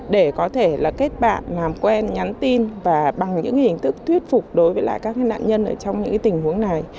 để có thể là kết bạn làm quen nhắn tin và bằng những hình thức thuyết phục đối với lại các nạn nhân trong những tình huống này